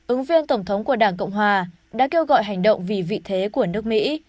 ứng viên tổng thống của đảng cộng hòa đã kêu gọi hành động vì vị thế của nước mỹ